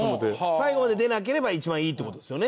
最後まで出なければ一番いいって事ですよね？